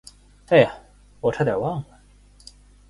哎呀，我差点忘了。